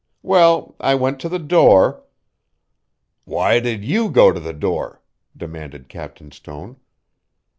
Well, I went to the door" "Why did you go to the door?" demanded Captain Stone.